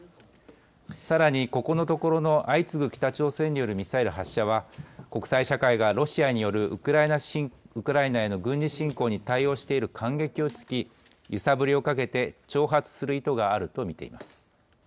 さらに、ここのところの相次ぐ北朝鮮によるミサイル発射は、国際社会がロシアによるウクライナへの軍事侵攻に対応している間げきをつき、揺さぶりをかけて、挑発する意図があると見ています。